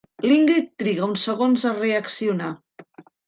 L'Ingrid triga uns segons a reaccionar.